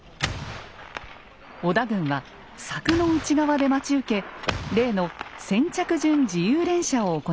織田軍は柵の内側で待ち受け例の先着順自由連射を行います。